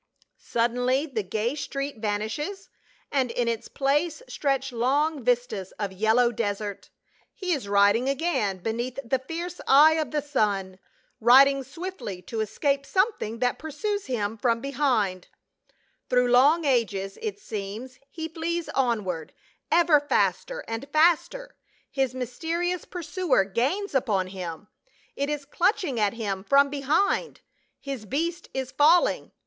Suddenly the gay street vanishes, and in its place stretch long vistas of yellow desert. He is riding again beneath the fierce eye of the sun, riding swiftly to escape something that pursues him from behind ; through long ages, it seems, he flees onward, ever faster and faster. His mysterious pursuer gains upon him ; it is clutching at him from behind ; his beast is falling.